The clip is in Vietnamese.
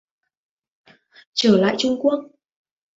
Trở lại Trung Quốc